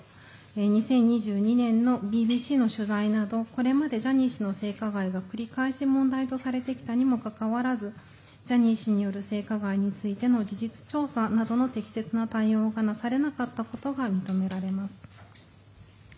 ２０２２年のＢＢＣの取材などこれまでジャニー氏の性加害は繰り返し問題とされてきたにもかかわらずジャニー氏による性加害についての事実調査についての適正な対応がなされなかったことが認められます。